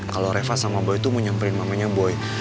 kalo reva sama boy tuh mau nyamperin mamenya boy